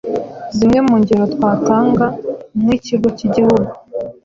Zimwe mu ngero twatanga ni nk’Ikigo k’Igihugu